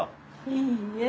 いいえ。